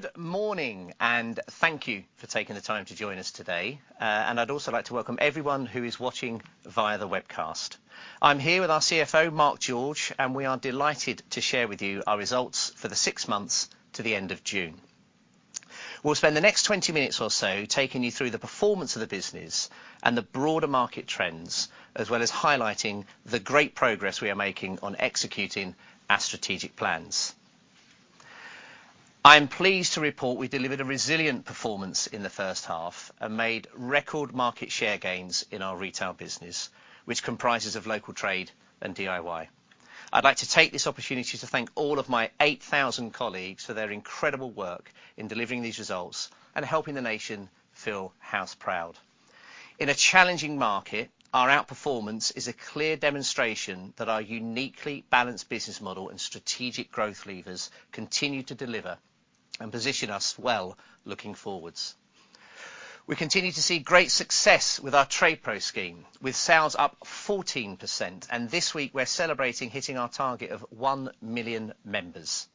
Good morning, and thank you for taking the time to join us today, and I'd also like to welcome everyone who is watching via the webcast. I'm here with our CFO, Mark George, and we are delighted to share with you our results for the six months to the end of June. We'll spend the next twenty minutes or so taking you through the performance of the business and the broader market trends, as well as highlighting the great progress we are making on executing our strategic plans. I am pleased to report we delivered a resilient performance in the first half and made record market share gains in our retail business, which comprises of local trade and DIY. I'd like to take this opportunity to thank all of my eight thousand colleagues for their incredible work in delivering these results and helping the nation feel house-proud. In a challenging market, our outperformance is a clear demonstration that our uniquely balanced business model and strategic growth levers continue to deliver and position us well looking forward. We continue to see great success with our TradePro scheme, with sales up 14%, and this week we're celebrating hitting our target of 1 million members.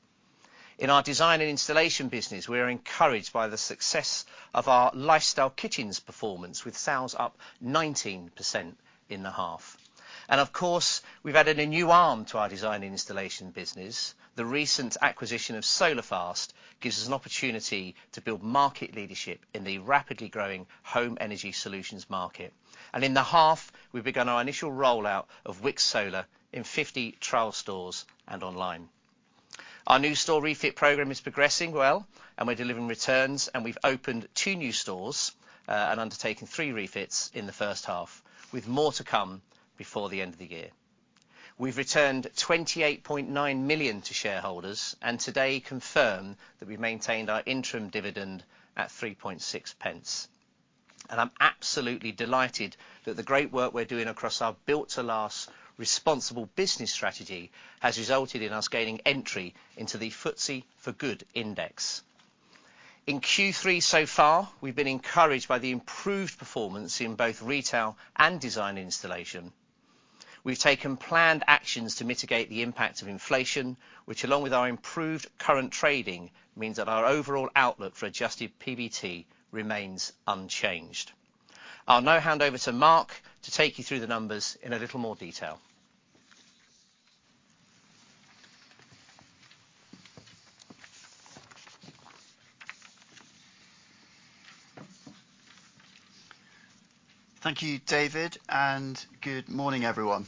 In our design and installation business, we are encouraged by the success of our lifestyle kitchens performance, with sales up 19% in the half. Of course, we've added a new arm to our design and installation business. The recent acquisition of Solar Fast gives us an opportunity to build market leadership in the rapidly growing home energy solutions market. In the half, we've begun our initial rollout of Wickes Solar in 50 trial stores and online. Our new store refit program is progressing well, and we're delivering returns, and we've opened two new stores, and undertaken three refits in the first half, with more to come before the end of the year. We've returned 28.9 million to shareholders, and today confirm that we've maintained our interim dividend at 3.6 pence. And I'm absolutely delighted that the great work we're doing across our Built to Last responsible business strategy has resulted in us gaining entry into the FTSE4Good Index. In Q3 so far, we've been encouraged by the improved performance in both retail and design installation. We've taken planned actions to mitigate the impact of inflation, which, along with our improved current trading, means that our overall outlook for Adjusted PBT remains unchanged. I'll now hand over to Mark to take you through the numbers in a little more detail. Thank you, David, and good morning, everyone.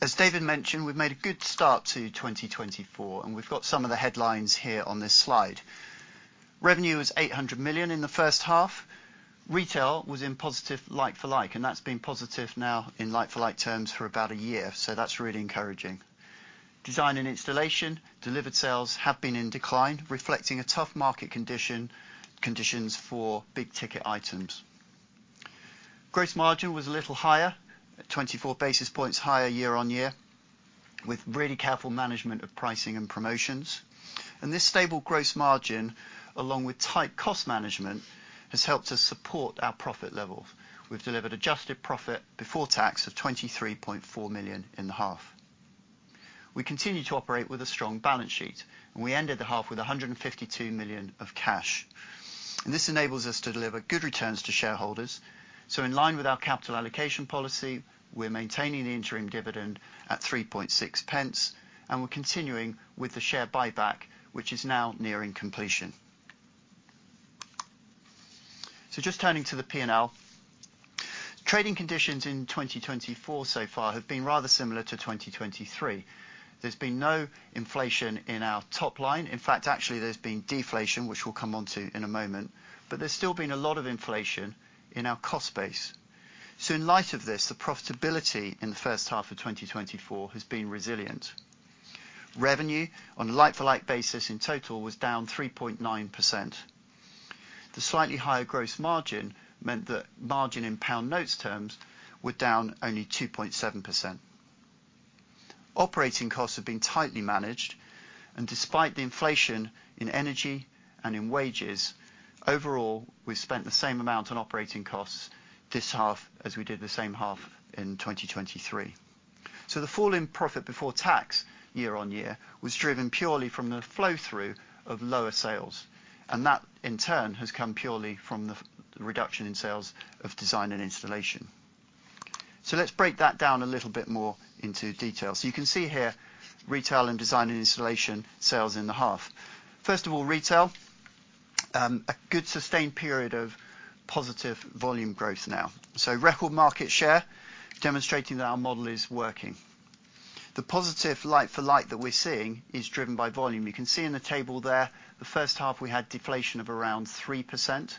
As David mentioned, we've made a good start to 2024, and we've got some of the headlines here on this slide. Revenue was 800 million in the first half. Retail was in positive like-for-like, and that's been positive now in like-for-like terms for about a year, so that's really encouraging. Design and installation, delivered sales have been in decline, reflecting a tough market conditions for big-ticket items. Gross margin was a little higher, at 24 basis points higher year on year, with really careful management of pricing and promotions. This stable gross margin, along with tight cost management, has helped us support our profit levels. We've delivered adjusted profit before tax of 23.4 million in the half. We continue to operate with a strong balance sheet, and we ended the half with 152 million of cash, and this enables us to deliver good returns to shareholders. So in line with our capital allocation policy, we're maintaining the interim dividend at 0.036, and we're continuing with the share buyback, which is now nearing completion. So just turning to the P&L. Trading conditions in 2024 so far have been rather similar to 2023. There's been no inflation in our top line. In fact, actually, there's been deflation, which we'll come onto in a moment, but there's still been a lot of inflation in our cost base. So in light of this, the profitability in the first half of 2024 has been resilient. Revenue, on a like-for-like basis in total, was down 3.9%. The slightly higher gross margin meant that margin in pounds terms were down only 2.7%. Operating costs have been tightly managed, and despite the inflation in energy and in wages, overall, we've spent the same amount on operating costs this half as we did the same half in 2023. So the fall in profit before tax year on year was driven purely from the flow-through of lower sales, and that, in turn, has come purely from the reduction in sales of design and installation. So let's break that down a little bit more into detail. So you can see here, retail and design, and installation sales in the half. First of all, retail, a good sustained period of positive volume growth now. So record market share, demonstrating that our model is working. The positive like-for-like that we're seeing is driven by volume. You can see in the table there, the first half, we had deflation of around 3%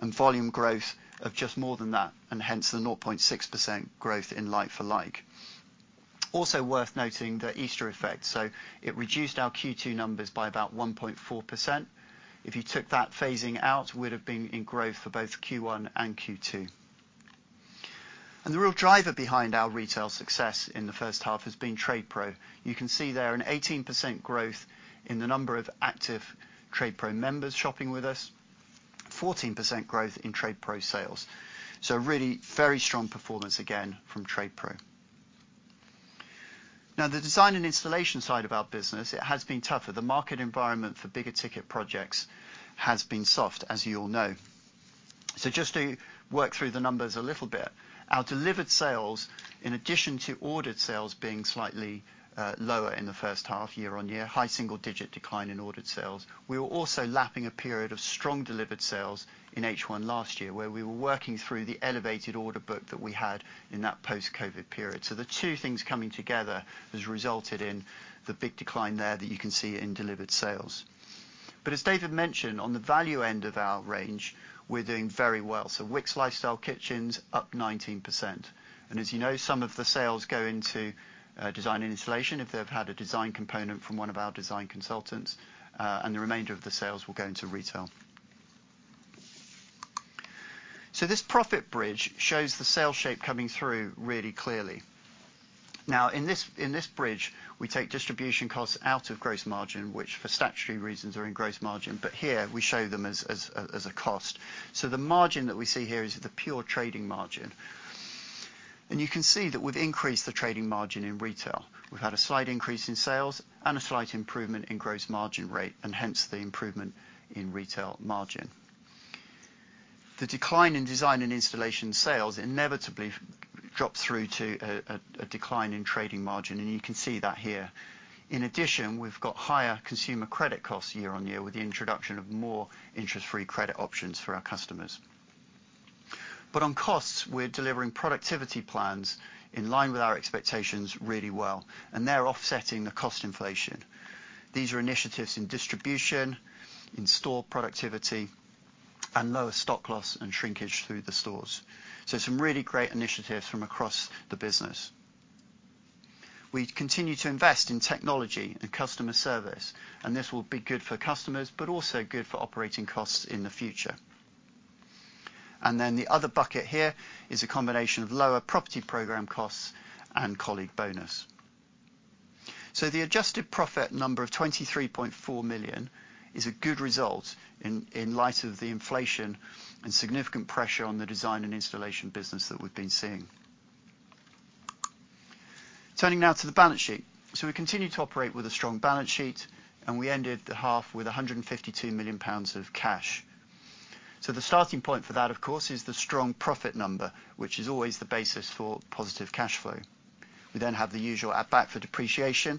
and volume growth of just more than that, and hence the 0.6% growth in like-for-like. Also worth noting, the Easter effect, so it reduced our Q2 numbers by about 1.4%. If you took that phasing out, we'd have been in growth for both Q1 and Q2, and the real driver behind our retail success in the first half has been Trade Pro. You can see there an 18% growth in the number of active Trade Pro members shopping with us, 14% growth in Trade Pro sales. So really very strong performance again from Trade Pro. Now, the design and installation side of our business, it has been tougher. The market environment for bigger ticket projects has been soft, as you all know. So just to work through the numbers a little bit, our delivered sales, in addition to ordered sales being slightly lower in the first half year on year, high single digit decline in ordered sales. We were also lapping a period of strong delivered sales in first half last year, where we were working through the elevated order book that we had in that post-COVID period. So the two things coming together has resulted in the big decline there that you can see in delivered sales. But as David mentioned, on the value end of our range, we're doing very well. So Wickes Lifestyle Kitchens up 19%, and as you know, some of the sales go into design and installation if they've had a design component from one of our design consultants, and the remainder of the sales will go into retail. So this profit bridge shows the sales shape coming through really clearly. Now, in this bridge, we take distribution costs out of gross margin, which, for statutory reasons, are in gross margin. But here we show them as a cost. So the margin that we see here is the pure trading margin. And you can see that we've increased the trading margin in retail. We've had a slight increase in sales and a slight improvement in gross margin rate, and hence, the improvement in retail margin. The decline in design and installation sales inevitably drops through to a decline in trading margin, and you can see that here. In addition, we've got higher consumer credit costs year on year with the introduction of more interest-free credit options for our customers. But on costs, we're delivering productivity plans in line with our expectations really well, and they're offsetting the cost inflation. These are initiatives in distribution, in-store productivity, and lower stock loss and shrinkage through the stores. So some really great initiatives from across the business. We continue to invest in technology and customer service, and this will be good for customers, but also good for operating costs in the future. And then the other bucket here is a combination of lower property program costs and colleague bonus. So the adjusted profit number of 23.4 million is a good result in light of the inflation and significant pressure on the design and installation business that we've been seeing. Turning now to the balance sheet. So we continue to operate with a strong balance sheet, and we ended the half with 152 million pounds of cash. So the starting point for that, of course, is the strong profit number, which is always the basis for positive cash flow. We then have the usual add back for depreciation,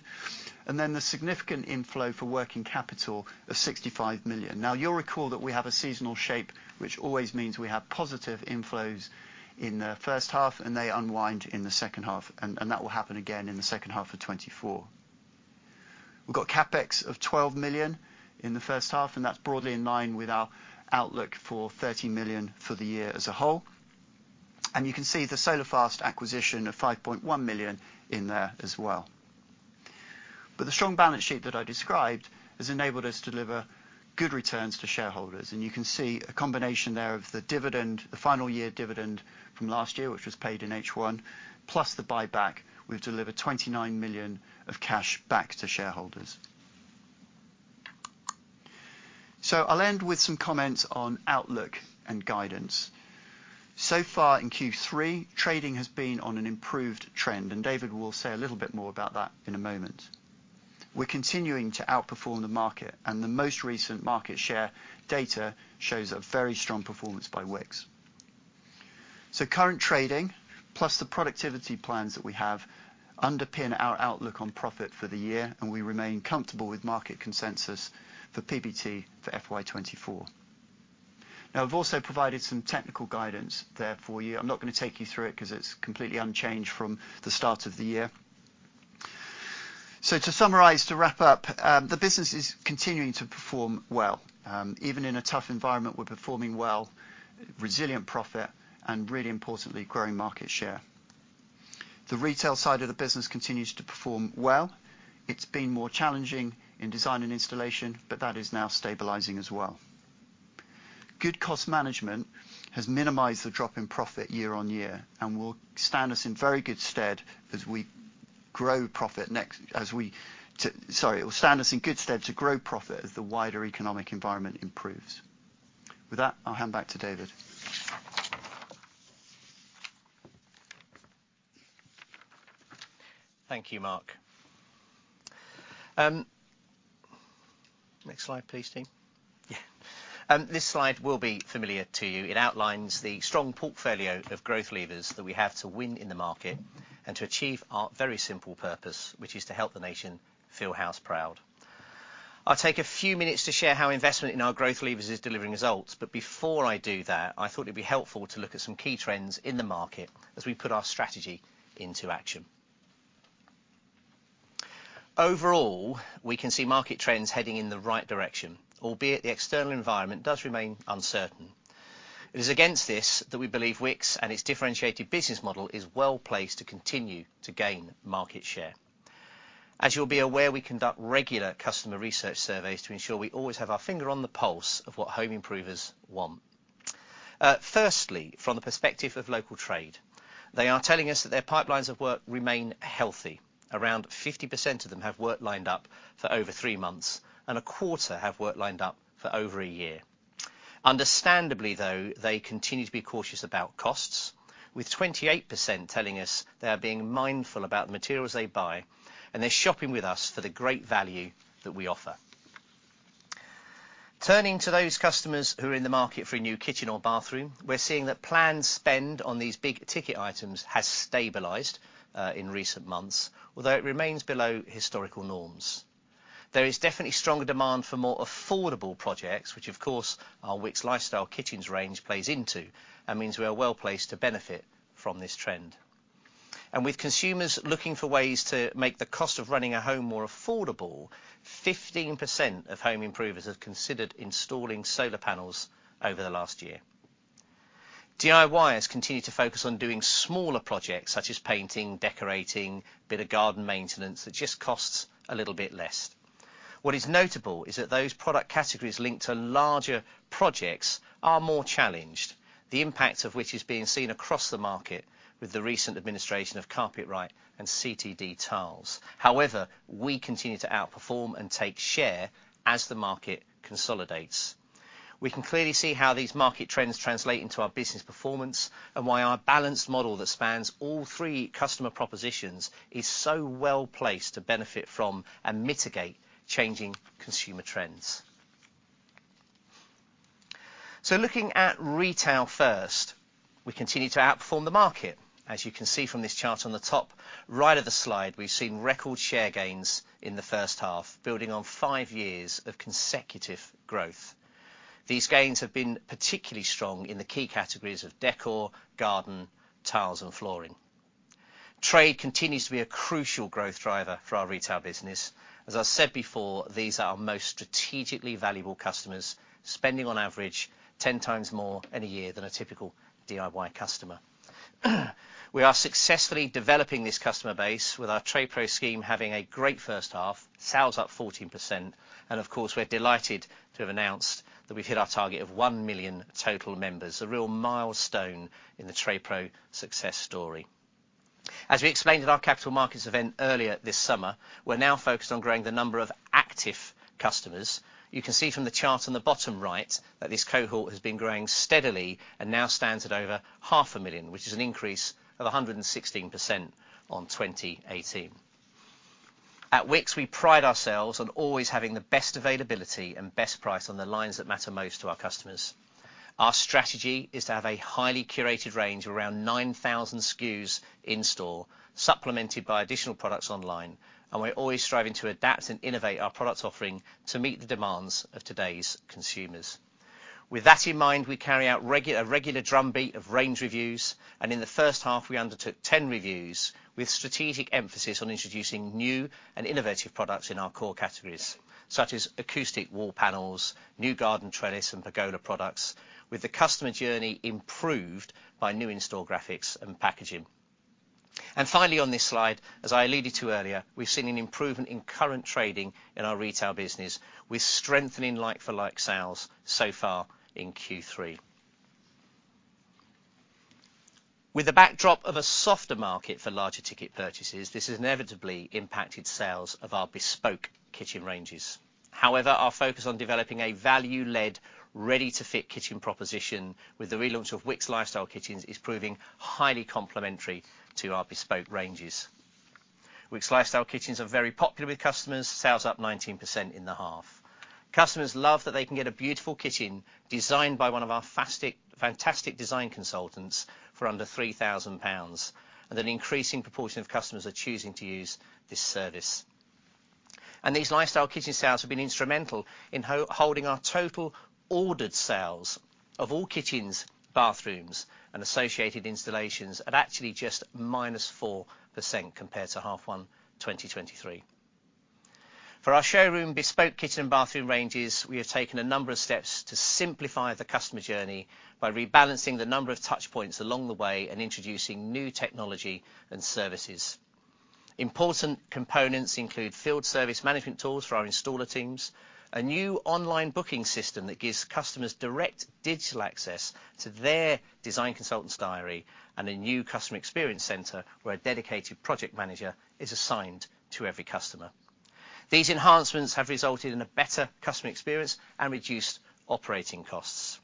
and then the significant inflow for working capital of 65 million. Now, you'll recall that we have a seasonal shape, which always means we have positive inflows in the first half, and they unwind in the second half, and that will happen again in the second half of 2024. We've got CapEx of 12 million in the first half, and that's broadly in line with our outlook for 30 million for the year as a whole. And you can see the Solar Fast acquisition of 5.1 million in there as well. But the strong balance sheet that I described has enabled us to deliver good returns to shareholders, and you can see a combination there of the dividend, the final year dividend from last year, which was paid in first half, plus the buyback. We've delivered 29 million of cash back to shareholders. I'll end with some comments on outlook and guidance. So far in Q3, trading has been on an improved trend, and David will say a little bit more about that in a moment. We're continuing to outperform the market, and the most recent market share data shows a very strong performance by Wickes. Current trading, plus the productivity plans that we have, underpin our outlook on profit for the year, and we remain comfortable with market consensus for PBT, for FY 2024. Now, I've also provided some technical guidance there for you. I'm not going to take you through it, because it's completely unchanged from the start of the year. So to summarize, to wrap up, the business is continuing to perform well. Even in a tough environment, we're performing well, resilient profit, and really importantly, growing market share. The retail side of the business continues to perform well. It's been more challenging in design and installation, but that is now stabilizing as well. Good cost management has minimized the drop in profit year on year and will stand us in very good stead to grow profit as the wider economic environment improves. With that, I'll hand back to David. Thank you, Mark. Next slide, please, team. Yeah, this slide will be familiar to you. It outlines the strong portfolio of growth levers that we have to win in the market and to achieve our very simple purpose, which is to help the nation feel house-proud. I'll take a few minutes to share how investment in our growth levers is delivering results, but before I do that, I thought it'd be helpful to look at some key trends in the market as we put our strategy into action. Overall, we can see market trends heading in the right direction, albeit the external environment does remain uncertain. It is against this that we believe Wickes and its differentiated business model is well-placed to continue to gain market share. As you'll be aware, we conduct regular customer research surveys to ensure we always have our finger on the pulse of what home improvers want. Firstly, from the perspective of local trade, they are telling us that their pipelines of work remain healthy. Around 50% of them have work lined up for over three months, and a quarter have work lined up for over a year. Understandably, though, they continue to be cautious about costs, with 28% telling us they are being mindful about the materials they buy, and they're shopping with us for the great value that we offer. Turning to those customers who are in the market for a new kitchen or bathroom, we're seeing that planned spend on these big ticket items has stabilized in recent months, although it remains below historical norms. There is definitely stronger demand for more affordable projects, which, of course, our Wickes Lifestyle Kitchens range plays into, and means we are well placed to benefit from this trend, and with consumers looking for ways to make the cost of running a home more affordable, 15% of home improvers have considered installing solar panels over the last year. DIY has continued to focus on doing smaller projects, such as painting, decorating, bit of garden maintenance, that just costs a little bit less. What is notable is that those product categories linked to larger projects are more challenged, the impact of which is being seen across the market with the recent administration of Carpetright and CTD Tiles. However, we continue to outperform and take share as the market consolidates. We can clearly see how these market trends translate into our business performance, and why our balanced model that spans all three customer propositions is so well placed to benefit from and mitigate changing consumer trends. So looking at retail first, we continue to outperform the market. As you can see from this chart on the top right of the slide, we've seen record share gains in the first half, building on five years of consecutive growth. These gains have been particularly strong in the key categories of decor, garden, tiles, and flooring. Trade continues to be a crucial growth driver for our retail business. As I said before, these are our most strategically valuable customers, spending on average ten times more in a year than a typical DIY customer. We are successfully developing this customer base, with our Trade Pro scheme having a great first half, sales up 14%, and of course, we're delighted to have announced that we've hit our target of one million total members, a real milestone in the Trade Pro success story. As we explained at our capital markets event earlier this summer, we're now focused on growing the number of active customers. You can see from the chart on the bottom right, that this cohort has been growing steadily and now stands at over 500,000, which is an increase of 116% on 2018. At Wickes, we pride ourselves on always having the best availability and best price on the lines that matter most to our customers. Our strategy is to have a highly curated range of around 9,000 SKUs in store, supplemented by additional products online, and we're always striving to adapt and innovate our products offering to meet the demands of today's consumers. With that in mind, we carry out a regular drum beat of range reviews, and in the first half we undertook 10 reviews with strategic emphasis on introducing new and innovative products in our core categories, such as acoustic wall panels, new garden trellis, and pergola products, with the customer journey improved by new in-store graphics and packaging. And finally, on this slide, as I alluded to earlier, we've seen an improvement in current trading in our retail business, with strengthening like-for-like sales so far in Q3. With the backdrop of a softer market for larger ticket purchases, this has inevitably impacted sales of our bespoke kitchen ranges. However, our focus on developing a value-led, ready-to-fit kitchen proposition with the relaunch of Wickes Lifestyle Kitchens is proving highly complementary to our bespoke ranges. Wickes Lifestyle Kitchens are very popular with customers, sales up 19% in the half. Customers love that they can get a beautiful kitchen designed by one of our fantastic design consultants for under 3,000 pounds, and an increasing proportion of customers are choosing to use this service, and these lifestyle kitchen sales have been instrumental in holding our total ordered sales of all kitchens, bathrooms, and associated installations at actually just -4% compared to half one, 2023. For our showroom, bespoke kitchen and bathroom ranges, we have taken a number of steps to simplify the customer journey by rebalancing the number of touch points along the way and introducing new technology and services. Important components include field service management tools for our installer teams, a new online booking system that gives customers direct digital access to their design consultant's diary, and a new customer experience center, where a dedicated project manager is assigned to every customer. These enhancements have resulted in a better customer experience and reduced operating costs.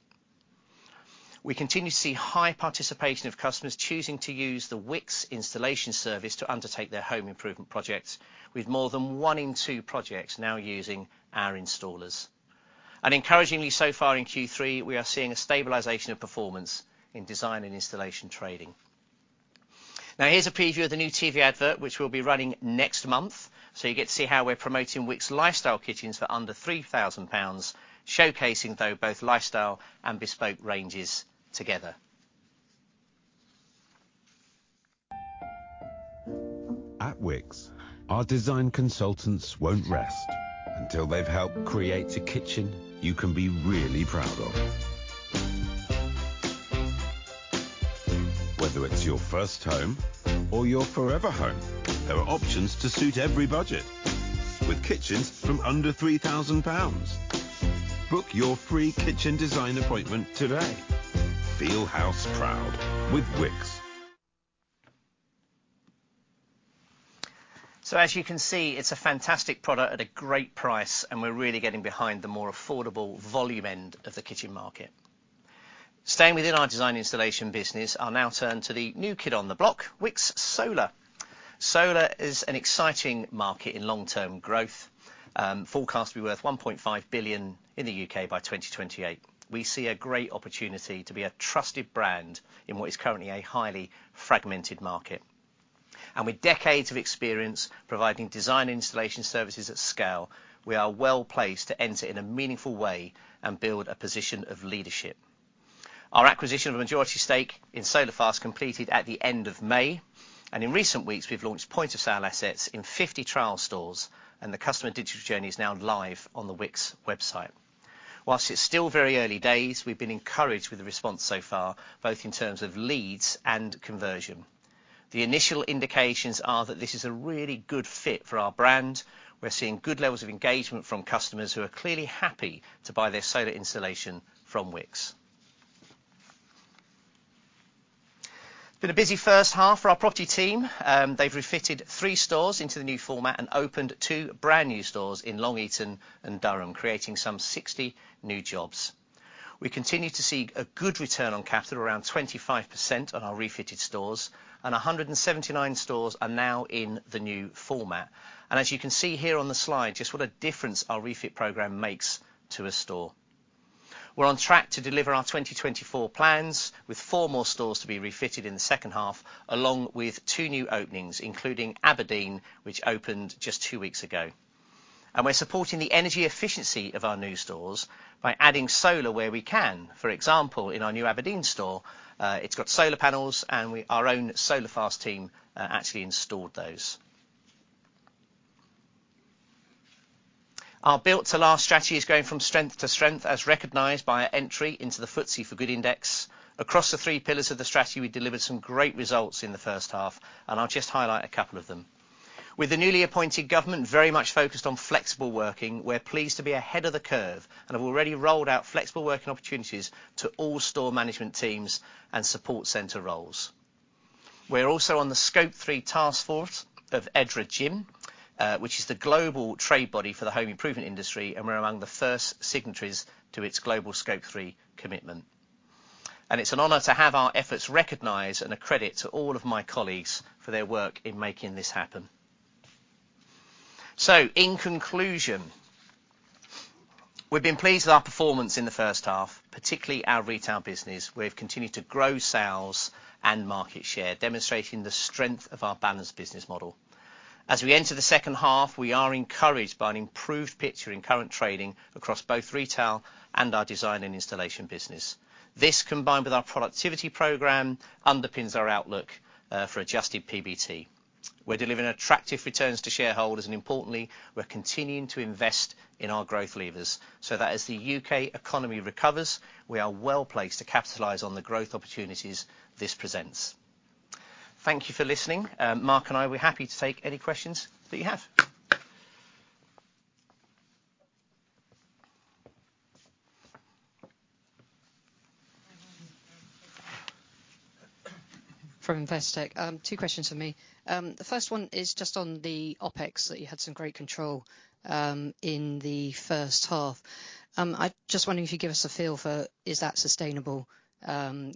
We continue to see high participation of customers choosing to use the Wickes installation service to undertake their home improvement projects, with more than one in two projects now using our installers. And encouragingly, so far in Q3, we are seeing a stabilization of performance in design and installation trading. Now, here's a preview of the new TV advert, which we'll be running next month, so you get to see how we're promoting Wickes Lifestyle Kitchens for under 3,000 pounds, showcasing, though, both lifestyle and bespoke ranges together. At Wickes, our design consultants won't rest until they've helped create a kitchen you can be really proud of. Whether it's your first home or your forever home, there are options to suit every budget, with kitchens from under 3,000 pounds. Book your free kitchen design appointment today. Feel house proud with Wickes.... So as you can see, it's a fantastic product at a great price, and we're really getting behind the more affordable volume end of the kitchen market. Staying within our design installation business, I'll now turn to the new kid on the block, Wickes Solar. Solar is an exciting market in long-term growth, forecast to be worth 1.5 billion in the U.K. by 2028. We see a great opportunity to be a trusted brand in what is currently a highly fragmented market. And with decades of experience providing design installation services at scale, we are well-placed to enter in a meaningful way and build a position of leadership. Our acquisition of a majority stake in Solar Fast completed at the end of May, and in recent weeks, we've launched point-of-sale assets in 50 trial stores, and the customer digital journey is now live on the Wickes website. Whilst it's still very early days, we've been encouraged with the response so far, both in terms of leads and conversion. The initial indications are that this is a really good fit for our brand. We're seeing good levels of engagement from customers who are clearly happy to buy their solar installation from Wickes. Been a busy first half for our property team. They've refitted three stores into the new format and opened two brand-new stores in Long Eaton and Durham, creating some 60 new jobs. We continue to see a good return on capital, around 25% on our refitted stores, and 179 stores are now in the new format. As you can see here on the slide, just what a difference our refit program makes to a store. We're on track to deliver our 2024 plans, with 4 more stores to be refitted in the second half, along with 2 new openings, including Aberdeen, which opened just two weeks ago. We're supporting the energy efficiency of our new stores by adding solar where we can. For example, in our new Aberdeen store, it's got solar panels, and our own Solar Fast team actually installed those. Our Built to Last strategy is going from strength to strength, as recognized by our entry into the FTSE4Good Index. Across the three pillars of the strategy, we delivered some great results in the first half, and I'll just highlight a couple of them. With the newly appointed government very much focused on flexible working, we're pleased to be ahead of the curve and have already rolled out flexible working opportunities to all store management teams and support center roles. We're also on the Scope 3 Taskforce of EDRA/GHIN, which is the global trade body for the home improvement industry, and we're among the first signatories to its global Scope 3 commitment. And it's an honor to have our efforts recognized, and a credit to all of my colleagues for their work in making this happen. So, in conclusion, we've been pleased with our performance in the first half, particularly our retail business. We've continued to grow sales and market share, demonstrating the strength of our balanced business model. As we enter the second half, we are encouraged by an improved picture in current trading across both retail and our design and installation business. This, combined with our productivity program, underpins our outlook for Adjusted PBT. We're delivering attractive returns to shareholders, and importantly, we're continuing to invest in our growth levers so that as the U.K. economy recovers, we are well-placed to capitalize on the growth opportunities this presents. Thank you for listening. Mark and I, we're happy to take any questions that you have. From Investec. Two questions from me. The first one is just on the OpEx that you had some great control in the first half. I just wondering if you could give us a feel for, is that sustainable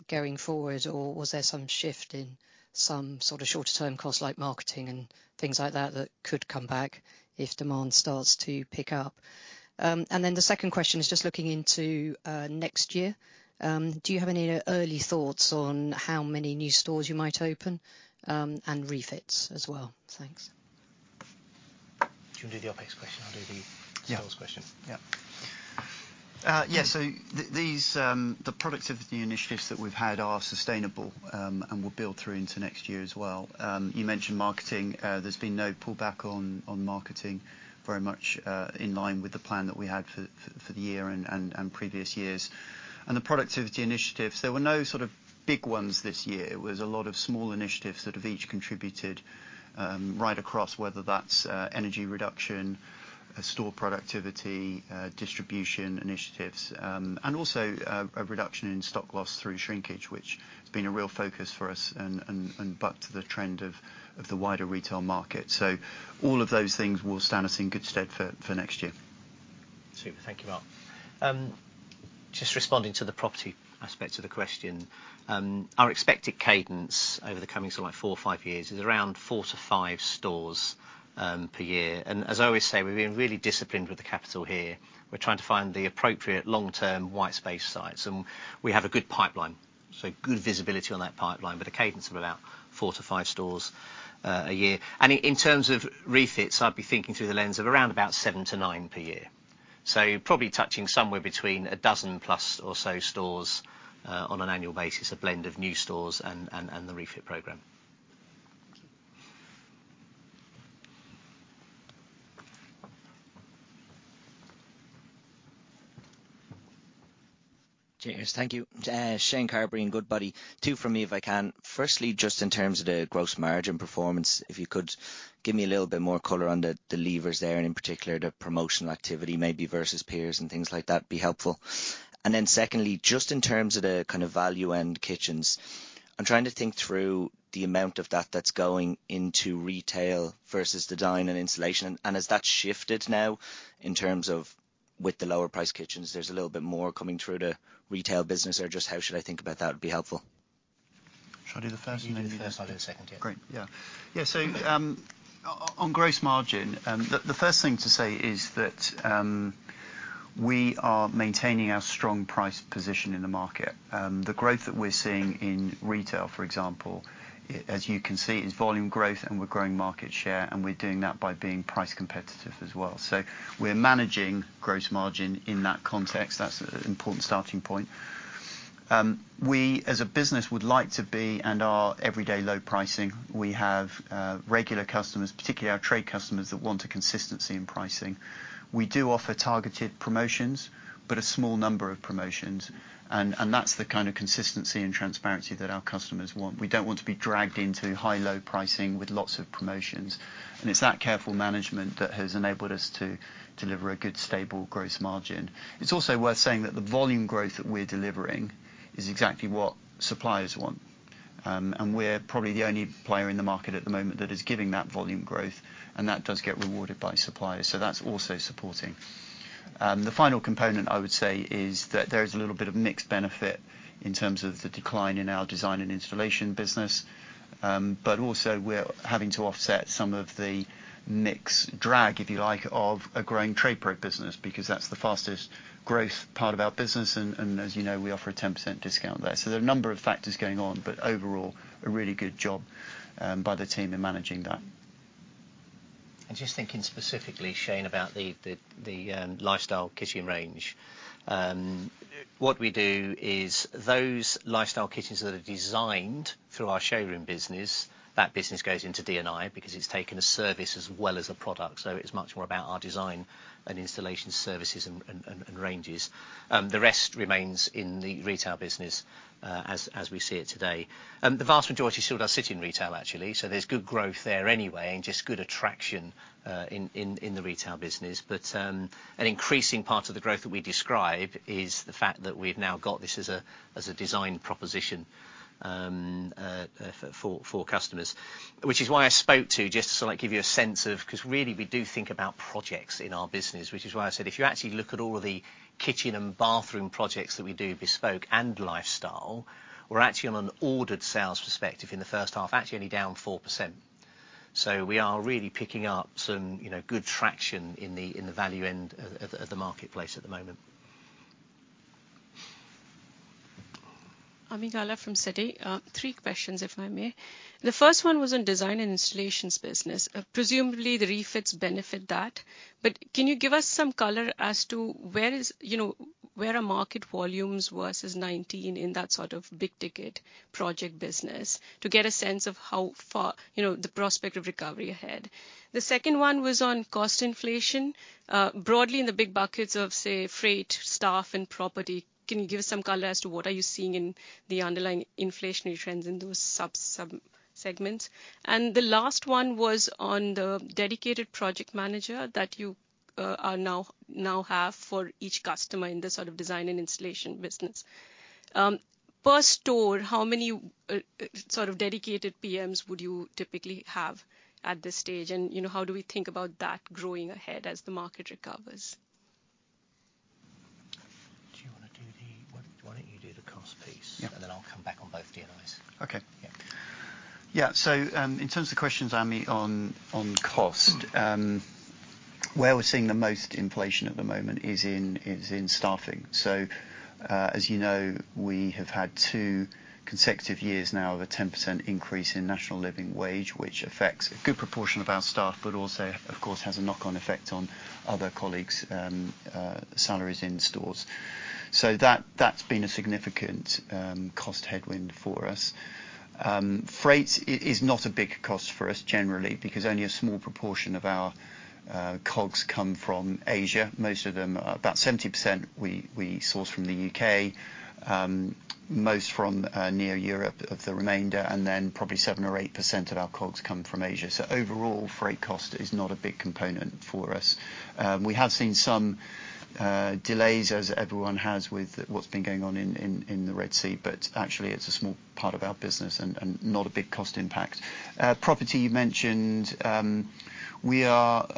going forward, or was there some shift in some sort of shorter term cost, like marketing and things like that, that could come back if demand starts to pick up? And then the second question is just looking into next year. Do you have any early thoughts on how many new stores you might open, and refits as well? Thanks. Do you want to do the OpEx question? I'll do the sales question. Yeah. Yeah. Yeah, so these productivity initiatives that we've had are sustainable and will build through into next year as well. You mentioned marketing. There's been no pullback on marketing, very much in line with the plan that we had for the year and previous years. And the productivity initiatives, there were no sort of big ones this year. It was a lot of small initiatives that have each contributed right across, whether that's energy reduction, store productivity, distribution initiatives, and also a reduction in stock loss through shrinkage, which has been a real focus for us and bucked the trend of the wider retail market. So all of those things will stand us in good stead for next year. Super. Thank you, Mark. Just responding to the property aspect of the question, our expected cadence over the coming sort of like four or five years is around four to five stores per year, and as I always say, we're being really disciplined with the capital here. We're trying to find the appropriate long-term white space sites, and we have a good pipeline, so good visibility on that pipeline, with a cadence of about four to five stores a year, and in terms of refits, I'd be thinking through the lens of around about seven to nine per year, so probably touching somewhere between a dozen-plus or so stores on an annual basis, a blend of new stores and the refit program. Thank you. George, thank you. Shane Carberry, Goodbody. Two from me, if I can. Firstly, just in terms of the gross margin performance, if you could give me a little bit more color on the levers there, and in particular, the promotional activity maybe versus peers and things like that, be helpful. And then secondly, just in terms of the kind of value-end kitchens. I'm trying to think through the amount of that that's going into retail versus the DIY and installation, and has that shifted now in terms of with the lower priced kitchens, there's a little bit more coming through the retail business, or just how should I think about that, would be helpful. Should I do the first? You do the first, I'll do the second, yeah. Great, yeah. Yeah, so, on gross margin, the first thing to say is that we are maintaining our strong price position in the market. The growth that we're seeing in retail, for example, as you can see, is volume growth, and we're growing market share, and we're doing that by being price competitive as well, so we're managing gross margin in that context. That's an important starting point. We, as a business, would like to be, and are, everyday low pricing. We have regular customers, particularly our trade customers, that want a consistency in pricing. We do offer targeted promotions, but a small number of promotions, and that's the kind of consistency and transparency that our customers want. We don't want to be dragged into high-low pricing with lots of promotions, and it's that careful management that has enabled us to deliver a good, stable gross margin. It's also worth saying that the volume growth that we're delivering is exactly what suppliers want. And we're probably the only player in the market at the moment that is giving that volume growth, and that does get rewarded by suppliers, so that's also supporting. The final component, I would say, is that there is a little bit of mixed benefit in terms of the decline in our design and installation business. But also, we're having to offset some of the mix drag, if you like, of a growing Trade Pro business, because that's the fastest growth part of our business, and as you know, we offer a 10% discount there. So there are a number of factors going on, but overall, a really good job by the team in managing that. I'm just thinking specifically, Shane, about the lifestyle kitchen range. What we do is those lifestyle kitchens that are designed through our showroom business, that business goes into D&I because it's taking a service as well as a product, so it's much more about our design and installation services and ranges. The rest remains in the retail business, as we see it today. The vast majority still does sit in retail, actually, so there's good growth there anyway, and just good attraction in the retail business. But, an increasing part of the growth that we describe is the fact that we've now got this as a design proposition for customers. Which is why I spoke to, just to sort of give you a sense of... 'Cause really, we do think about projects in our business, which is why I said, if you actually look at all of the kitchen and bathroom projects that we do, bespoke and lifestyle, we're actually on an ordered sales perspective in the first half, actually only down 4%. So we are really picking up some, you know, good traction in the value end of the marketplace at the moment. Amit Gala from Citi. Three questions, if I may. The first one was on design and installations business. Presumably, the refits benefit that, but can you give us some color as to where is, you know, where are market volumes versus 2019 in that sort of big-ticket project business, to get a sense of how far, you know, the prospect of recovery ahead? The second one was on cost inflation. Broadly, in the big buckets of, say, freight, staff, and property, can you give us some color as to what are you seeing in the underlying inflationary trends in those sub-segments? And the last one was on the dedicated project manager that you are now have for each customer in the sort of design and installation business. Per store, how many sort of dedicated PMs would you typically have at this stage? You know, how do we think about that growing ahead as the market recovers? Do you wanna do the...? Why, why don't you do the cost piece? Yeah. And then I'll come back on both D&Is. Okay. Yeah. Yeah, so, in terms of the questions, Amit, on cost, where we're seeing the most inflation at the moment is in staffing. So, as you know, we have had two consecutive years now of a 10% increase in national living wage, which affects a good proportion of our staff, but also, of course, has a knock-on effect on other colleagues' salaries in stores. So that, that's been a significant cost headwind for us. Freight is not a big cost for us generally, because only a small proportion of our COGS come from Asia. Most of them, about 70%, we source from the U.K., most from near Europe of the remainder, and then probably 7% or 8% of our COGS come from Asia. So overall, freight cost is not a big component for us. We have seen some delays, as everyone has, with what's been going on in the Red Sea, but actually, it's a small part of our business and not a big cost impact. Property, you mentioned, we've got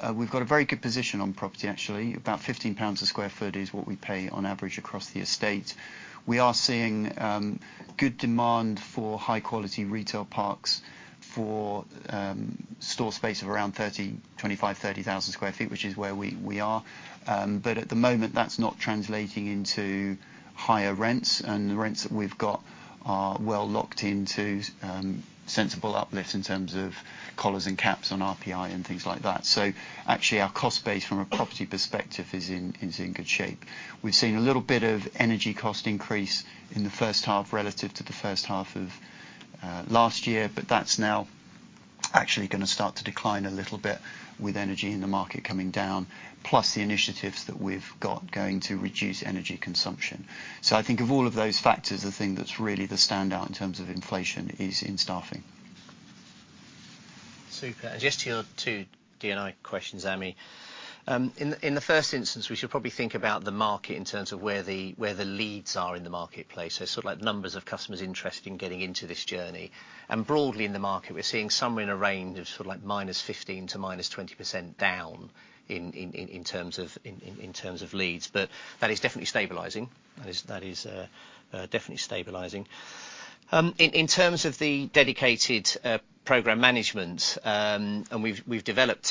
a very good position on property, actually. About 15 pounds a sq ft is what we pay on average across the estate. We are seeing good demand for high-quality retail parks for store space of around 25-30,000 sq ft, which is where we are. But at the moment, that's not translating into higher rents, and the rents that we've got are well locked into sensible uplifts in terms of collars and caps on RPI and things like that. Actually, our cost base from a property perspective is in good shape. We've seen a little bit of energy cost increase in the first half relative to the first half of last year, but that's now actually gonna start to decline a little bit with energy in the market coming down, plus the initiatives that we've got going to reduce energy consumption. I think of all of those factors, the thing that's really the standout in terms of inflation is in staffing.... Super, and just to your two DIY questions, Amit. In the first instance, we should probably think about the market in terms of where the leads are in the marketplace. So sort of like numbers of customers interested in getting into this journey. And broadly in the market, we're seeing somewhere in a range of sort of like -15% to -20% down in terms of leads. But that is definitely stabilizing. That is definitely stabilizing. In terms of the dedicated program management, and we've developed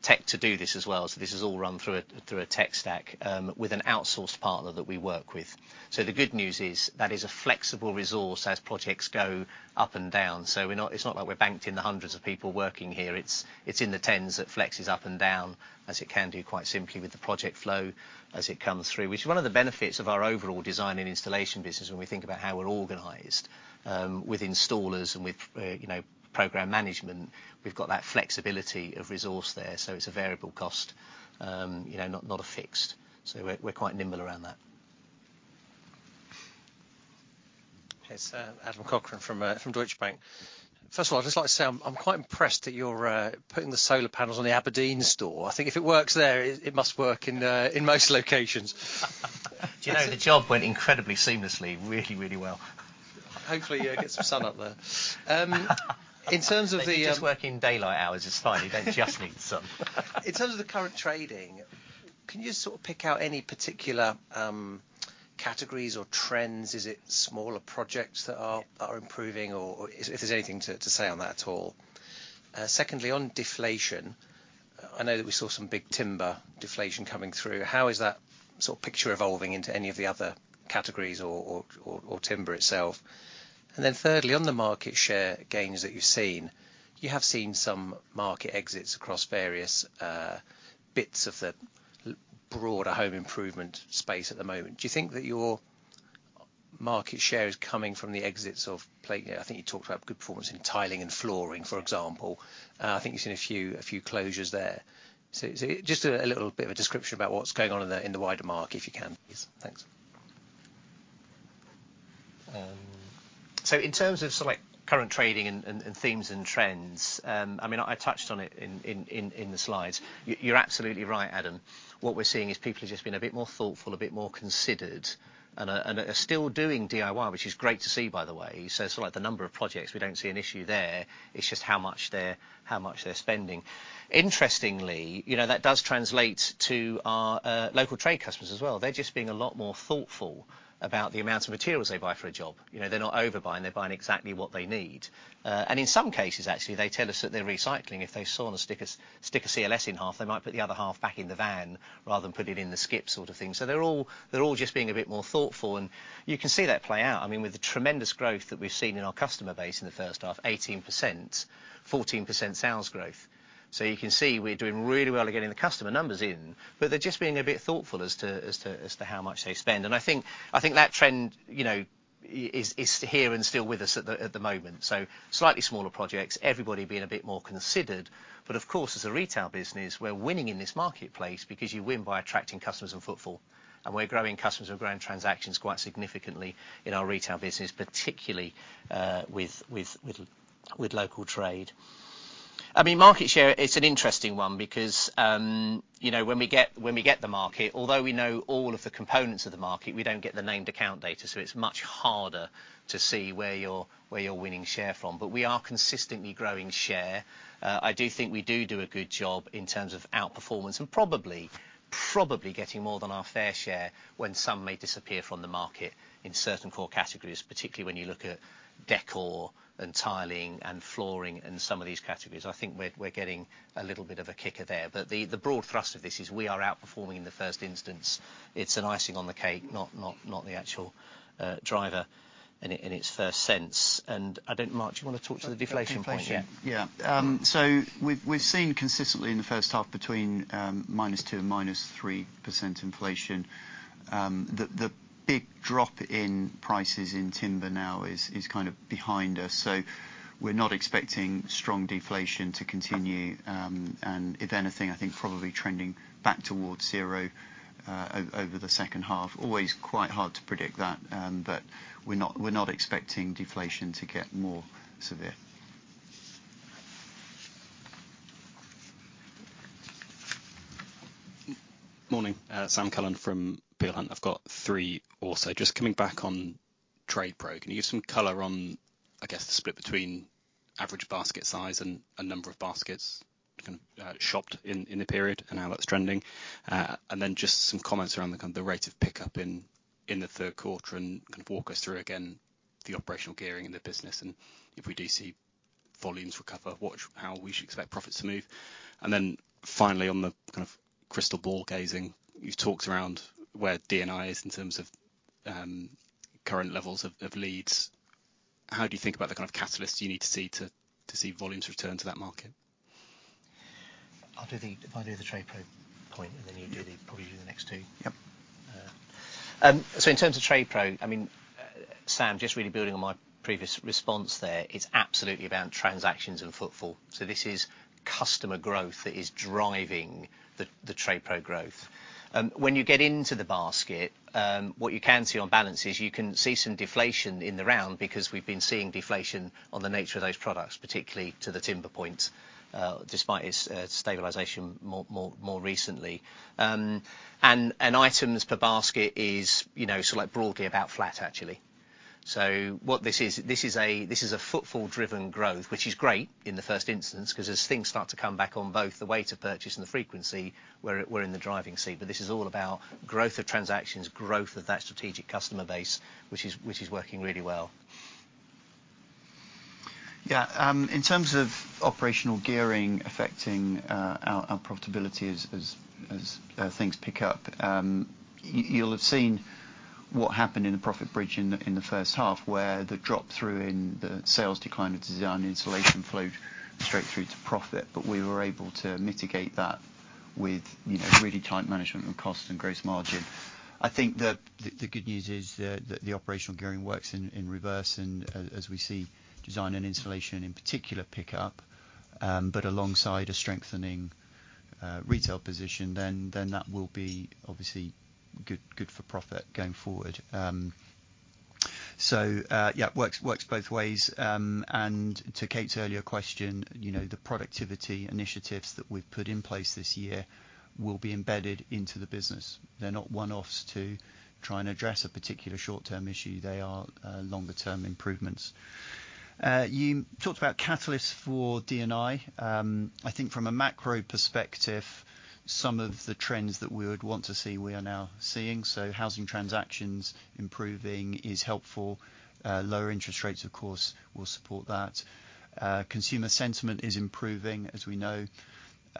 tech to do this as well, so this is all run through a tech stack with an outsourced partner that we work with. So the good news is that is a flexible resource as projects go up and down. So we're not. It's not like we're banked in the hundreds of people working here. It's, it's in the tens that flexes up and down, as it can do quite simply with the project flow as it comes through. Which is one of the benefits of our overall design and installation business when we think about how we're organized, with installers and with, you know, program management. We've got that flexibility of resource there, so it's a variable cost, you know, not, not a fixed. So we're, we're quite nimble around that. It's Adam Cochrane from Deutsche Bank. First of all, I'd just like to say I'm quite impressed that you're putting the solar panels on the Aberdeen store. I think if it works there, it must work in most locations. Do you know, the job went incredibly seamlessly, really, really well. Hopefully, you'll get some sun up there. In terms of the- Just work in daylight hours, it's fine. They just need sun. In terms of the current trading, can you sort of pick out any particular categories or trends? Is it smaller projects that are improving, or if there's anything to say on that at all? Secondly, on deflation, I know that we saw some big timber deflation coming through. How is that sort of picture evolving into any of the other categories or timber itself? And then thirdly, on the market share gains that you've seen, you have seen some market exits across various bits of the broader home improvement space at the moment. Do you think that your market share is coming from the exits? I think you talked about good performance in tiling and flooring, for example. I think you've seen a few closures there. So, just a little bit of a description about what's going on in the wider market, if you can, please. Thanks. So in terms of select current trading and themes and trends, I mean, I touched on it in the slides. You're absolutely right, Adam. What we're seeing is people are just being a bit more thoughtful, a bit more considered, and are still doing DIY, which is great to see, by the way. So it's like the number of projects, we don't see an issue there. It's just how much they're spending. Interestingly, you know, that does translate to our local trade customers as well. They're just being a lot more thoughtful about the amount of materials they buy for a job. You know, they're not overbuying, they're buying exactly what they need. And in some cases, actually, they tell us that they're recycling. If they saw and stick a CLS in half, they might put the other half back in the van rather than put it in the skip sort of thing. They're all just being a bit more thoughtful, and you can see that play out. I mean, with the tremendous growth that we've seen in our customer base in the first half, 18%, 14% sales growth. You can see we're doing really well at getting the customer numbers in, but they're just being a bit thoughtful as to how much they spend. I think that trend, you know, is here and still with us at the moment. Slightly smaller projects, everybody being a bit more considered. But of course, as a retail business, we're winning in this marketplace because you win by attracting customers and footfall, and we're growing customers and growing transactions quite significantly in our retail business, particularly with local trade. I mean, market share, it's an interesting one because, you know, when we get the market, although we know all of the components of the market, we don't get the named account data, so it's much harder to see where you're winning share from. But we are consistently growing share. I do think we do do a good job in terms of outperformance and probably getting more than our fair share when some may disappear from the market in certain core categories, particularly when you look at decor and tiling and flooring and some of these categories. I think we're getting a little bit of a kicker there. But the broad thrust of this is we are outperforming in the first instance. It's an icing on the cake, not the actual driver in its first sense. And I don't... Mark, do you want to talk to the deflation point? Deflation, yeah. So we've seen consistently in the first half between-2% and -3% inflation. The big drop in prices in timber now is kind of behind us, so we're not expecting strong deflation to continue. And if anything, I think probably trending back towards zero over the second half. Always quite hard to predict that, but we're not expecting deflation to get more severe. Morning, Sam Cullen from Peel Hunt. I've got three also. Just coming back on Trade Pro, can you give some color on, I guess, the split between average basket size and number of baskets kind of shopped in the period and how that's trending? And then just some comments around the kind of rate of pickup in the third quarter, and kind of walk us through again, the operational gearing in the business, and if we do see volumes recover, what, how we should expect profits to move. And then finally, on the kind of crystal ball gazing, you've talked around where DIY is in terms of current levels of leads. How do you think about the kind of catalyst you need to see to see volumes return to that market? I'll do the Trade Pro point, and then you do the, probably do the next two. Yep. So in terms of Trade Pro, I mean, Sam, just really building on my previous response there, it's absolutely about transactions and footfall. So this is customer growth that is driving the Trade Pro growth. When you get into the basket, what you can see on balance is you can see some deflation in the round, because we've been seeing deflation on the nature of those products, particularly to the timber points, despite its stabilization more recently. And items per basket is, you know, sort of like broadly about flat, actually. So what this is, this is a footfall-driven growth, which is great in the first instance, 'cause as things start to come back on both the weight of purchase and the frequency, we're in the driving seat. But this is all about growth of transactions, growth of that strategic customer base, which is working really well. Yeah, in terms of operational gearing affecting our profitability as things pick up, you'll have seen what happened in the profit bridge in the first half, where the drop-through in the sales decline to design installation flowed straight through to profit. But we were able to mitigate that with, you know, really tight management on cost and gross margin. I think that the good news is that the operational gearing works in reverse, and as we see design and installation, in particular, pick up, but alongside a strengthening retail position, then that will be obviously good for profit going forward. So, yeah, it works both ways. And to Kate's earlier question, you know, the productivity initiatives that we've put in place this year will be embedded into the business. They're not one-offs to try and address a particular short-term issue. They are longer-term improvements. You talked about catalysts for D&I. I think from a macro perspective, some of the trends that we would want to see, we are now seeing. So housing transactions improving is helpful. Lower interest rates, of course, will support that. Consumer sentiment is improving, as we know.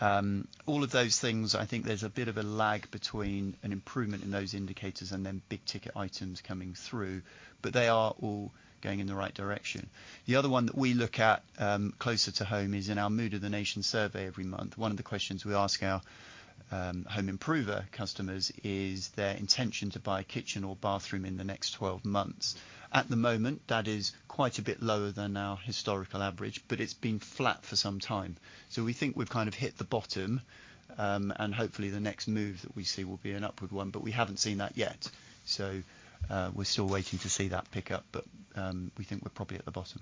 All of those things, I think there's a bit of a lag between an improvement in those indicators and then big ticket items coming through, but they are all going in the right direction. The other one that we look at closer to home is in our Mood of the Nation survey every month. One of the questions we ask our home improver customers is their intention to buy a kitchen or bathroom in the next 12 months. At the moment, that is quite a bit lower than our historical average, but it's been flat for some time. So we think we've kind of hit the bottom, and hopefully, the next move that we see will be an upward one, but we haven't seen that yet. So, we're still waiting to see that pick up, but, we think we're probably at the bottom.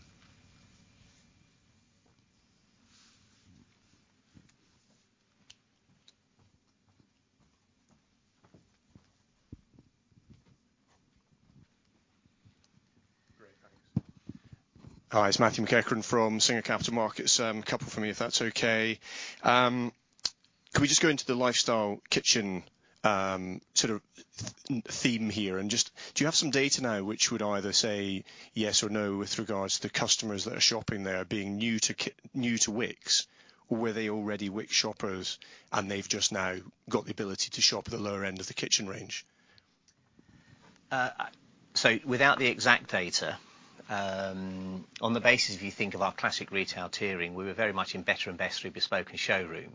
Great, thanks. Hi, it's Matthew McEachran from Singer Capital Markets. A couple from me, if that's okay. Can we just go into the lifestyle kitchen, sort of theme here? And just, do you have some data now which would either say yes or no, with regards to the customers that are shopping there being new to Wickes? Or were they already Wickes shoppers, and they've just now got the ability to shop at the lower end of the kitchen range? So without the exact data, on the basis, if you think of our classic retail tiering, we were very much in better and best through bespoke and showroom.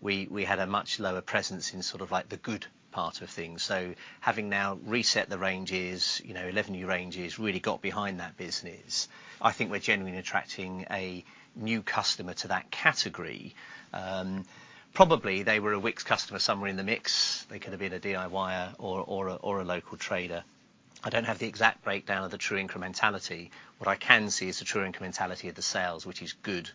We had a much lower presence in sort of like the good part of things. So having now reset the ranges, you know, 11 new ranges, really got behind that business, I think we're genuinely attracting a new customer to that category. Probably, they were a Wickes customer somewhere in the mix. They could have been a DIY-er or a local trader. I don't have the exact breakdown of the true incrementality. What I can see is the true incrementality of the sales, which is good.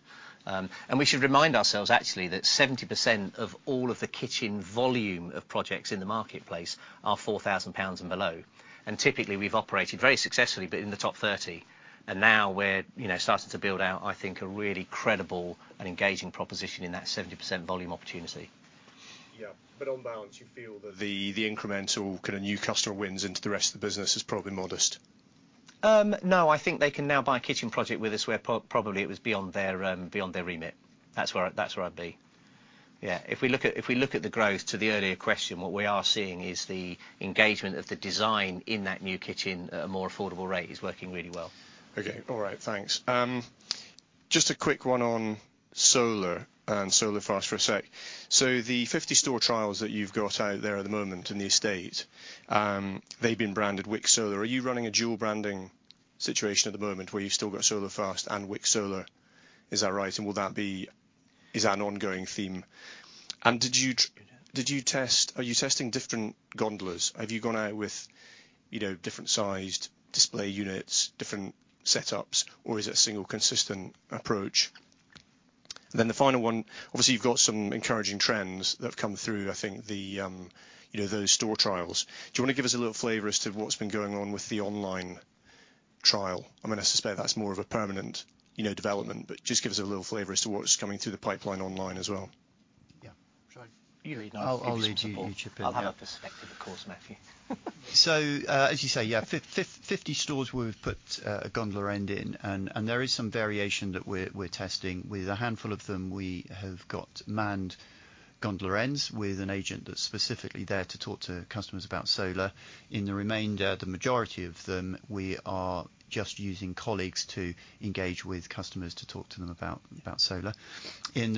And we should remind ourselves actually, that 70% of all of the kitchen volume of projects in the marketplace are 4,000 pounds and below. And typically, we've operated very successfully, but in the top 30. And now we're, you know, starting to build out, I think, a really credible and engaging proposition in that 70% volume opportunity. Yeah, but on balance, you feel that the incremental kind of new customer wins into the rest of the business is probably modest? No, I think they can now buy a kitchen project with us, where probably it was beyond their remit. That's where I'd be. Yeah, if we look at the growth to the earlier question, what we are seeing is the engagement of the design in that new kitchen, at a more affordable rate, is working really well. Okay. All right, thanks. Just a quick one on solar and Solar Fast for a sec. So the 50 store trials that you've got out there at the moment in the estate, they've been branded Wickes Solar. Are you running a dual branding situation at the moment, where you've still got Solar Fast and Wickes Solar? Is that right, and will that be... Is that an ongoing theme? And are you testing different gondolas? Have you gone out with, you know, different-sized display units, different setups, or is it a single consistent approach? Then the final one, obviously, you've got some encouraging trends that have come through, I think the, you know, those store trials. Do you want to give us a little flavor as to what's been going on with the online trial? I mean, I suspect that's more of a permanent, you know, development, but just give us a little flavor as to what's coming through the pipeline online as well. Yeah. Should I? You lead, and I'll- I'll lead you, you chip in. I'll have perspective, of course, Matthew. So, as you say, yeah, 50 stores where we've put a gondola end in, and there is some variation that we're testing. With a handful of them, we have got manned gondola ends with an agent that's specifically there to talk to customers about solar. In the remainder, the majority of them, we are just using colleagues to engage with customers, to talk to them about solar. In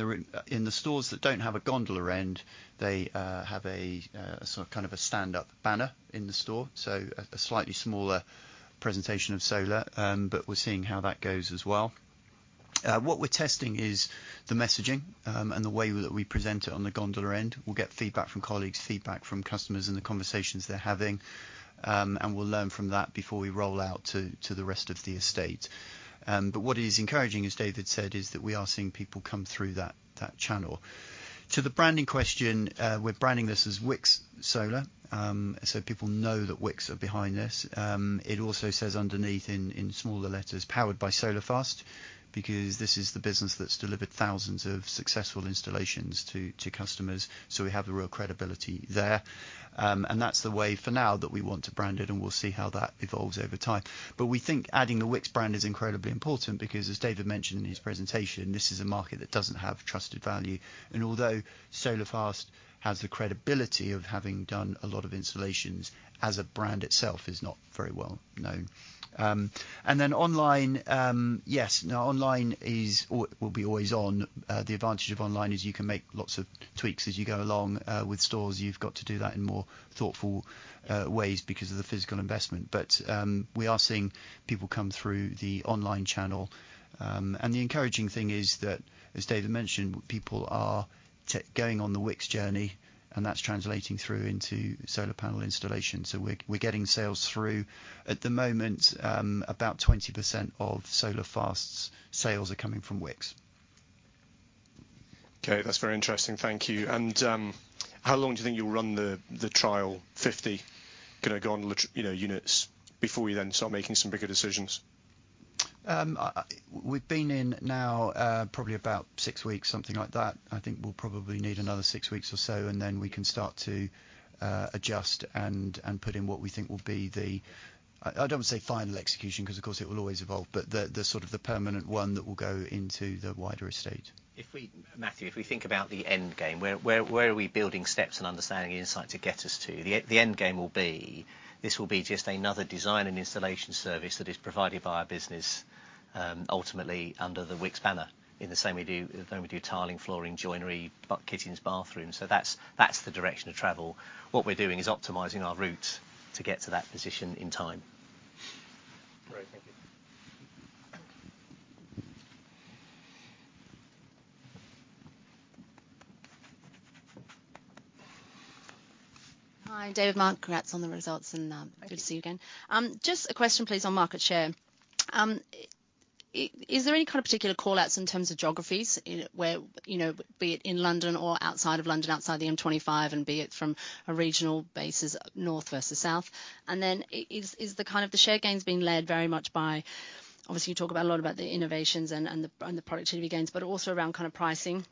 the stores that don't have a gondola end, they have a sort of, kind of a stand-up banner in the store, so a slightly smaller presentation of solar, but we're seeing how that goes as well. What we're testing is the messaging, and the way that we present it on the gondola end. We'll get feedback from colleagues, feedback from customers, and the conversations they're having. And we'll learn from that before we roll out to the rest of the estate. But what is encouraging, as David said, is that we are seeing people come through that channel. To the branding question, we're branding this as Wickes Solar. So people know that Wickes are behind this. It also says underneath in smaller letters, Powered by Solar Fast, because this is the business that's delivered thousands of successful installations to customers, so we have the real credibility there. And that's the way for now that we want to brand it, and we'll see how that evolves over time. But we think adding the Wickes brand is incredibly important because, as David mentioned in his presentation, this is a market that doesn't have trusted value. And although Solar Fast has the credibility of having done a lot of installations, as a brand itself is not very well known. And then online, yes, now online is, or will be always on. The advantage of online is you can make lots of tweaks as you go along. With stores, you've got to do that in more thoughtful ways because of the physical investment. But we are seeing people come through the online channel. And the encouraging thing is that, as David mentioned, people are going on the Wickes journey, and that's translating through into solar panel installation. So we're getting sales through. At the moment, about 20% of Solar Fast's sales are coming from Wickes. Okay, that's very interesting. Thank you. And, how long do you think you'll run the, the trial, 50, gonna go on you know, units, before you then start making some bigger decisions? We've been in now, probably about six weeks, something like that. I think we'll probably need another six weeks or so, and then we can start to adjust and put in what we think will be the... I don't want to say final execution, because, of course, it will always evolve, but the sort of permanent one that will go into the wider estate. If we, Matthew, if we think about the end game, where are we building steps and understanding insight to get us to? The end game will be, this will be just another design and installation service that is provided by our business, ultimately under the Wickes banner, in the same way we do tiling, flooring, joinery, but kitchens, bathrooms. That's the direction of travel. What we're doing is optimizing our route to get to that position in time. Great. Thank you. Hi, David, Mark. Congrats on the results, and Thank you. Good to see you again. Just a question, please, on market share. Is there any kind of particular call-outs in terms of geographies, in, where, you know, be it in London or outside of London, outside the M25, and be it from a regional basis, North versus South? And then is the kind of the share gains being led very much by... Obviously, you talk about, a lot about the innovations and the productivity gains, but also around kind of pricing.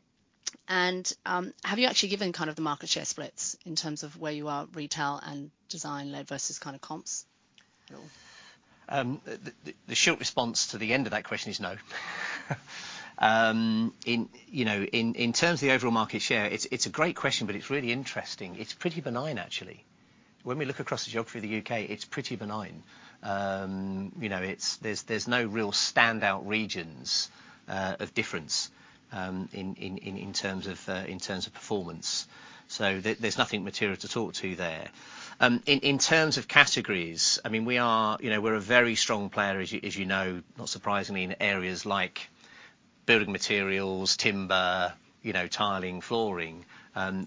And, have you actually given kind of the market share splits in terms of where you are, retail and design-led versus kind of comps? The short response to the end of that question is no. You know, in terms of the overall market share, it's a great question, but it's really interesting. It's pretty benign, actually. When we look across the geography of the U.K., it's pretty benign. You know, it's, there's no real standout regions of difference in terms of performance. So there's nothing material to talk to there. In terms of categories, I mean, we are, you know, we're a very strong player, as you know, not surprisingly, in areas like building materials, timber, you know, tiling, flooring.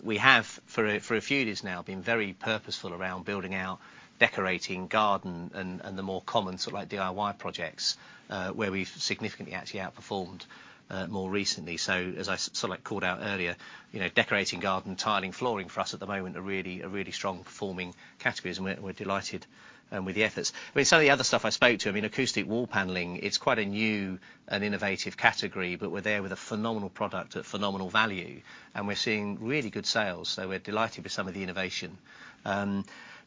We have, for a few years now, been very purposeful around building out decorating, garden, and the more common sort of like DIY projects, where we've significantly actually outperformed more recently, so as I sort of like called out earlier, you know, decorating, garden, tiling, flooring for us at the moment are really strong performing categories, and we're delighted with the efforts. I mean, some of the other stuff I spoke to, I mean, acoustic wall panelling, it's quite a new and innovative category, but we're there with a phenomenal product at phenomenal value, and we're seeing really good sales, so we're delighted with some of the innovation,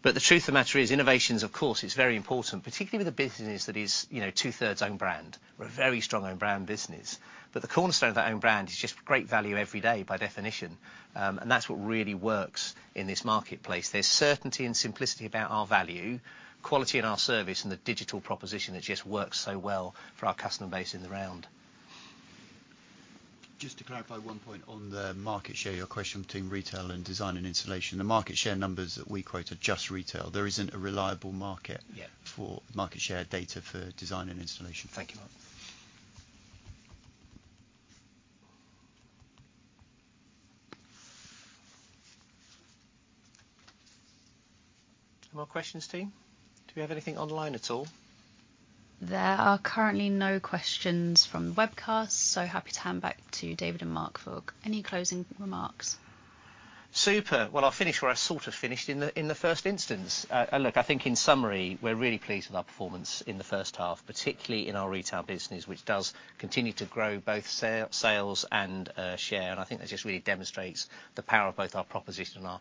but the truth of the matter is, innovation, of course, is very important, particularly with a business that is, you know, two-thirds own brand. We're a very strong own brand business. But the cornerstone of that own brand is just great value every day, by definition, and that's what really works in this marketplace. There's certainty and simplicity about our value, quality in our service, and the digital proposition that just works so well for our customer base in the round. Just to clarify one point on the market share, your question between retail and design and installation. The market share numbers that we quote are just retail. There isn't a reliable market- Yeah... for market share data for design and installation. Thank you, Mark. No more questions, team? Do we have anything online at all? There are currently no questions from the webcast, so happy to hand back to David and Mark for any closing remarks. Super. Well, I'll finish where I sort of finished in the first instance. And look, I think in summary, we're really pleased with our performance in the first half, particularly in our retail business, which does continue to grow both sales and share. And I think that just really demonstrates the power of both our proposition and our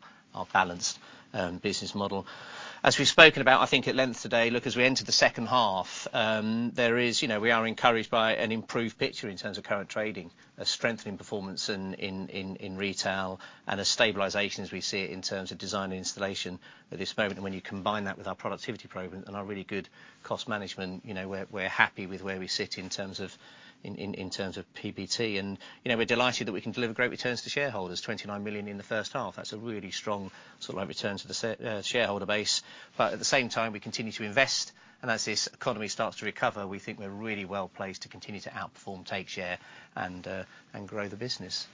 balanced business model. As we've spoken about, I think, at length today, look, as we enter the second half, there is, you know, we are encouraged by an improved picture in terms of current trading, a strengthening performance in retail, and a stabilization as we see it in terms of design and installation at this moment. And when you combine that with our productivity program and our really good cost management, you know, we're happy with where we sit in terms of PBT. You know, we're delighted that we can deliver great returns to shareholders, 29 million in the first half. That's a really strong sort of like return to the shareholder base, but at the same time, we continue to invest, and as this economy starts to recover, we think we're really well placed to continue to outperform, take share, and grow the business,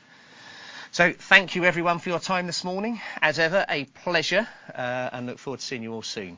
so thank you everyone for your time this morning. As ever, a pleasure, and look forward to seeing you all soon.